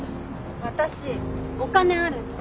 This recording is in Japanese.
私お金あるんで。